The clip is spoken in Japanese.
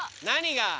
何が？